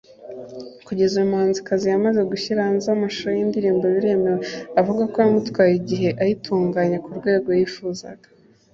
Kugeza uyu muhanzikazi yamaze gushyira hanze amashusho y’indirimbo ‘Biremewe’ avuga ko yamutwaye igihe ayitunganya ku rwego yifuzaga